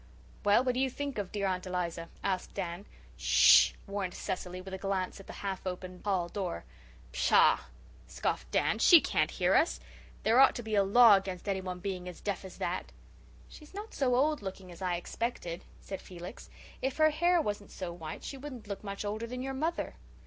"Well, and what do you think of dear Aunt Eliza?" asked Dan. "S s s sh," warned Cecily, with a glance at the half open hall door. "Pshaw," scoffed Dan, "she can't hear us. There ought to be a law against anyone being as deaf as that." "She's not so old looking as I expected," said Felix. "If her hair wasn't so white she wouldn't look much older than your mother."